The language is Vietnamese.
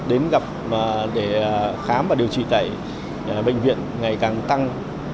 đến gặp để khám và điều trị tẩy bệnh viện ngày càng tăng